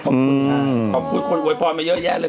ขอบคุณคุณโอยโพยมาเยอะแยะเลย